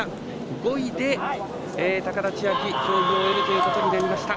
５位で高田千明競技を終えることになりました。